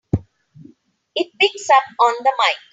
It picks up on the mike!